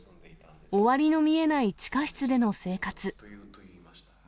終わりの見えない地下室での生活。